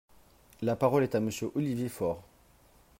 La parole est à Monsieur Olivier Faure.